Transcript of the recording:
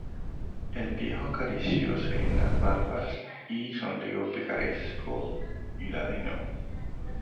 el viejo acaricióse las barbas, y sonrió picaresco y ladino: